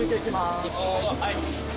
はい。